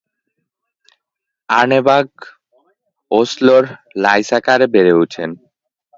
Arneberg ওসলোর লাইসাকারে বেড়ে ওঠেন।